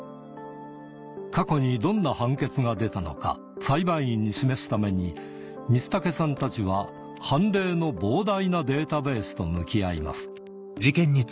過去にどんな判決が出たのか裁判員に示すために光武さんたちは判例の膨大なデータベースと向き合います